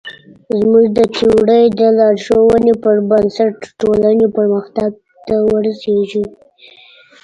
زموږ د تیورۍ د لارښوونو پر بنسټ ټولنې پرمختګ ته ورسېږي.